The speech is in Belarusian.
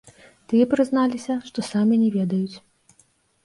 Тыя прызналіся, што самі не ведаюць.